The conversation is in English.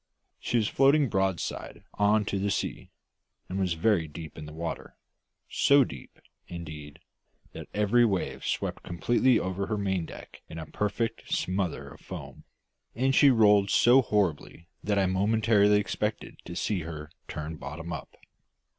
She was floating broadside on to the sea, and was very deep in the water, so deep, indeed, that every wave swept completely over her maindeck in a perfect smother of foam; and she rolled so horribly that I momentarily expected to see her turn bottom up.